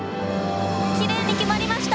きれいに決まりました！